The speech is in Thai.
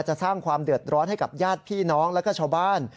สร้างความเดือดร้อนให้กับญาติพี่น้องแล้วก็ชาวบ้าน